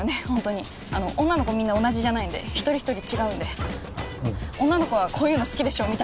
ホントに女の子みんな同じじゃないんで一人一人違うんで女の子はこういうの好きでしょ？